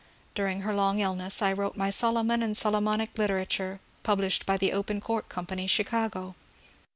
During her long illness I wrote my ^* Solomon and Solomonic Literature," published by the Open Court Company, Chicago.